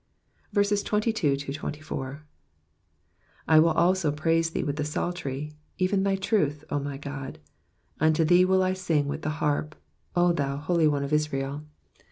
22 I will also praise thee with the psaltery, even thy truth, O my God : unto thee will I sing with the harp, O thou Holy One of Israel.